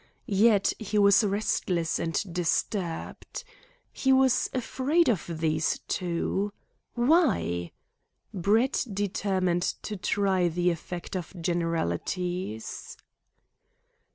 Yet he was restless and disturbed. He was afraid of these two. Why? Brett determined to try the effect of generalities.